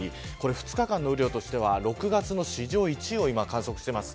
２日間の雨量としては６月の史上１位を今、観測しています。